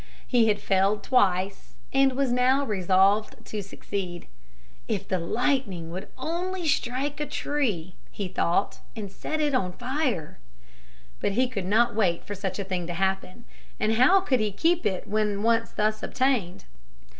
He had failed twice and was now resolved to succeed. "If the lightning would only strike a tree," he thought, "and set it on fire." But he could not wait for such a thing to happen, and how could he keep it when once thus obtained?